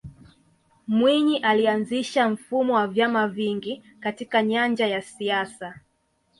mwinyi alianzisha mfumo wa vyama vingi katika nyanja ya siasa